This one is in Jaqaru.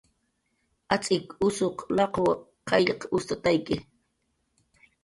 Atz'ik usuq laqaw qayll ustatayki